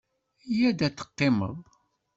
Yya-d ad teqqimeḍ.